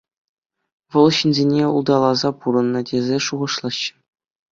Вӑл ҫынсене улталаса пурӑннӑ тесе шухӑшлаҫҫӗ.